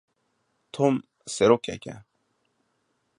Tom serokek e.